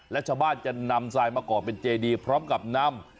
และชาวบ้านจะนำทรายมาก่อเป็นเจดีพร้อมกับนำ